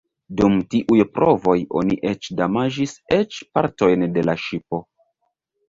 Dum tiuj provoj oni eĉ damaĝis eĉ partojn de la ŝipo.